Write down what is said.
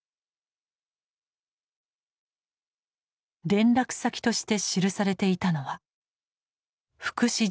連絡先として記されていたのは福祉事務所。